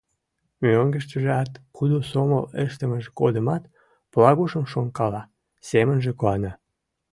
Мӧҥгыштыжат, кудо сомыл ыштымыж годымат Плагушым шонкала, семынже куана.